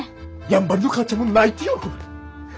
やんばるの母ちゃんも泣いて喜ぶ。